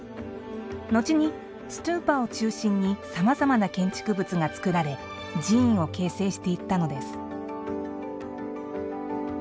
後にストゥーパを中心にさまざまな建築物が造られ寺院を形成していったのです。